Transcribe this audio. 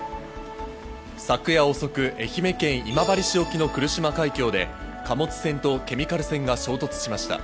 昨夜遅く愛媛県今治市沖の来島海峡で貨物船とケミカル船が衝突しました。